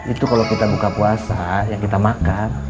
itu kalau kita buka puasa yang kita makan